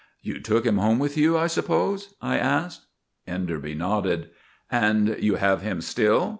" You took him home with you, I suppose ?' I asked. Enderby nodded. " And you have him still